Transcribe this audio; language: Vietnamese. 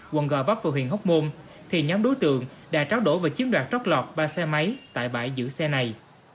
quận gò vấp và huyện hóc môn thì nhóm đối tượng đã tráo đổ và chiếm đoạt trót lọt ba xe máy tại bãi giữ xe này